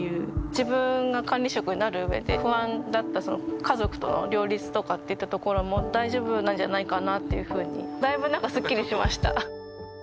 自分が管理職になるうえで不安だったその家族との両立といったところも大丈夫なんじゃないかなっていうふうにだいぶなんかスッキリしました。